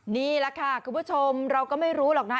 นี่แหละค่ะคุณผู้ชมเราก็ไม่รู้หรอกนะ